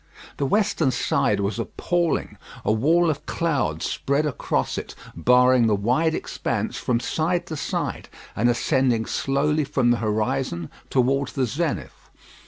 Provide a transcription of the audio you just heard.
The western side was appalling. A wall of cloud spread across it, barring the wide expanse from side to side, and ascending slowly from the horizon towards the zenith.